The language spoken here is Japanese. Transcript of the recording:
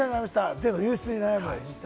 税の流出に悩む自治体。